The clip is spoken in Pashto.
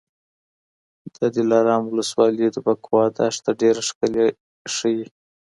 د دلارام ولسوالي د بکواه دښته ډېره ښکلې ښیي.